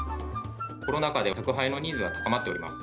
コロナ禍で宅配のニーズが高まっております。